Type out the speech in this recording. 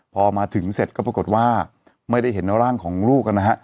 พอมาถึงเสร็จก็ปรากฏว่าไม่ได้เห็นร่างของลูกนะฮะ